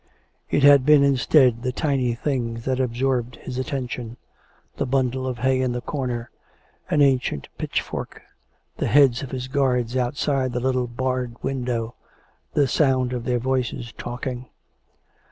It had been, instead, the tiny things that absorbed his attention; the bundle of hay in the corner; an ancient pitch fork; the heads of his guards outside the little barred window; the sound of their voices talking.